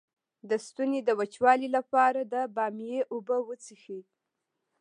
د ستوني د وچوالي لپاره د بامیې اوبه وڅښئ